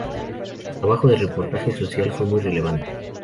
Su trabajo de reportaje social fue muy relevante.